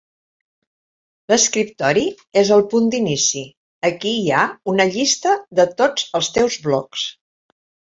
L’escriptori és el punt d’inici, aquí hi ha una llista de tots els teus blogs.